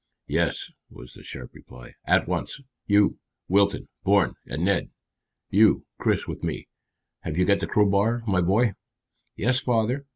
"Yes," was the sharp reply, "at once. You, Wilton, Bourne, and Ned. You, Chris, with me. Have you got the crowbar, my boy?" "Yes, father."